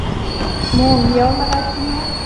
موږ یو ملت یو.